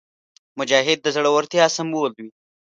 مجاهد د زړورتیا سمبول وي.